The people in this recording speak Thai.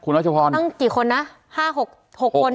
นั่งกี่คนนะ๕๖คน